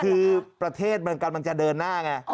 คือประเทศมันกำลังจะเดินหน้าไง